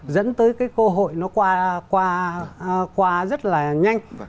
dẫn tới cái cơ hội nó qua rất là nhanh